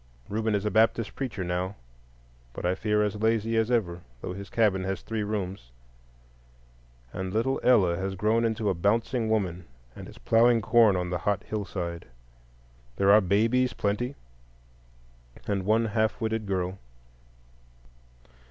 Reuben is a Baptist preacher now, but I fear as lazy as ever, though his cabin has three rooms; and little Ella has grown into a bouncing woman, and is ploughing corn on the hot hillside. There are babies a plenty, and one half witted girl.